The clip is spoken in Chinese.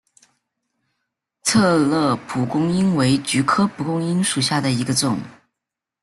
策勒蒲公英为菊科蒲公英属下的一个种。